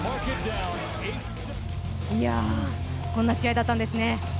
こんな試合だったんですね。